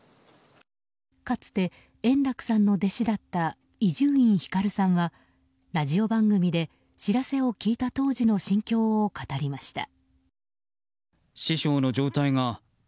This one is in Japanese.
かつて、円楽さんの弟子だった伊集院光さんはラジオ番組で知らせを聞いた当時の心境を語りました。